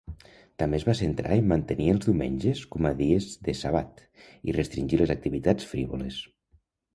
També es va centrar en mantenir els diumenges com a dies de Sabbath i restringir les activitats frívoles.